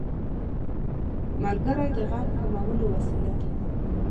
ملګری د غم کمولو وسیله ده